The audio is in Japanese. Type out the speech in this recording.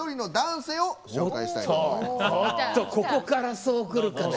おっとここからそう来るかね。